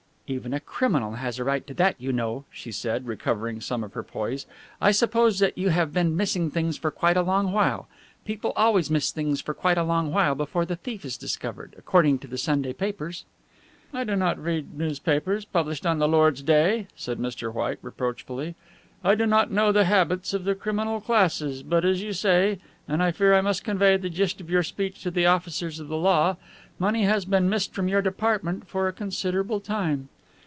"Even a criminal has a right to that, you know," she said, recovering some of her poise. "I suppose that you have been missing things for quite a long while people always miss things for quite a long while before the thief is discovered, according to the Sunday papers." "I do not read newspapers published on the Lord's Day," said Mr. White reproachfully. "I do not know the habits of the criminal classes, but as you say, and I fear I must convey the gist of your speech to the officers of the law, money has been missed from your department for a considerable time.